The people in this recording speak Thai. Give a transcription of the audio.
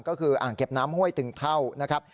ก็คืออ่างเก็บน้ำห้วยตึงเท่านะครับ